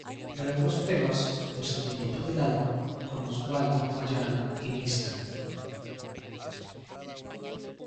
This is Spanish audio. Grabó los temas "Los Sentimientos del alma", con Osvaldo Ayala y Mr.